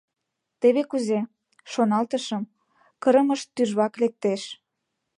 Теве кузе, шоналтышым, кырымышт тӱжвак лектеш.